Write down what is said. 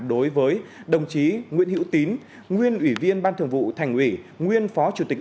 đối với đồng chí nguyễn hữu tín nguyên ủy viên ban thường vụ thành ủy nguyên phó chủ tịch